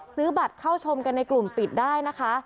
ซื้อบัตรเข้าชมกันในกลุ่มปิดได้นะคะ